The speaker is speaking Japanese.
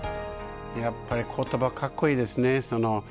やっぱり、ことばかっこいいですね。